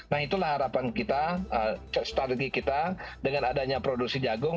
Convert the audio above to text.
nah itulah harapan kita strategi kita dengan adanya produksi jagung